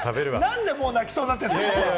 なんで、もう泣きそうになってるんですか？